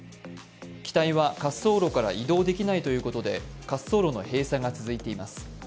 機体は滑走路から移動できないということで滑走路の閉鎖が続いています。